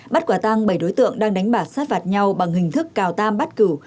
bắt quả tang bảy đối tượng đang đánh bạc sát vạt nhau bằng hình thức cào tam bắt cửu